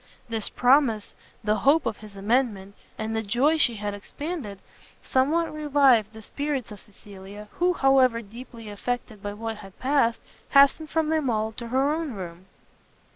This promise, the hope of his amendment, and the joy she had expanded, somewhat revived the spirits of Cecilia; who, however, deeply affected by what had passed, hastened from them all to her own room.